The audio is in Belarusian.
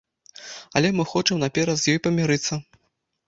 Але мы хочам наперад з ёй памірыцца!